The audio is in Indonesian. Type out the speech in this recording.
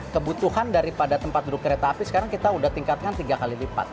kebutuhan daripada tempat duduk kereta api sekarang kita sudah tingkatkan tiga kali lipat